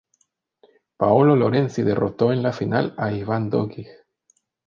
Paolo Lorenzi derrotó en la final a Ivan Dodig.